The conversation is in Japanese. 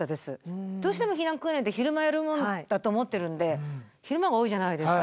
どうしても避難訓練って昼間やるもんだと思ってるんで昼間が多いじゃないですか。